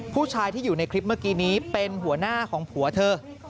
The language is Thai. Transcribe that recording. ผู้ชายที่อยู่ในคลิปเมื่อกี้นี้เป็นหัวหน้าของผัวเธอ